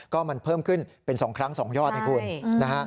ก็มันเพิ่มขึ้นเป็นสองครั้งสองยอดนะครับ